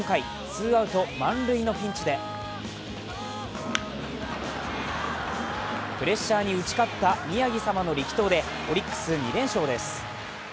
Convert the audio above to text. ツーアウト満塁のピンチでプレッシャーに打ち勝った宮城様の力投でオリックス２連勝です。